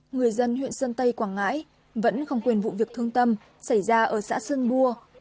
người dân huyện sơn tây quảng ngãi vẫn không quên vụ việc thương tâm xảy ra ở xã sơn bua